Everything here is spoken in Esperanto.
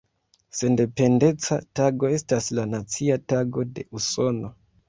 Sendependeca Tago estas la Nacia Tago de Usono.